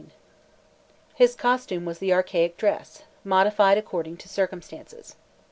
His costume was the archaic dress, modified according to circumstances.